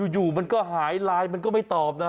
อยู่มันก็หายไลน์มันก็ไม่ตอบนะ